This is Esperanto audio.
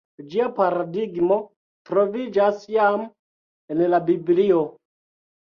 Ĝia paradigmo troviĝas jam en la Biblio.